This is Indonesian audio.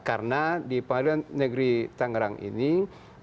banyak sekali pengadilan yang berkaitan dengan pengadilan internasional